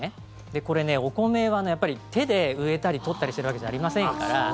これね、お米は手で植えたり取ったりしているわけではありませんから。